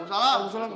gue salah gue salah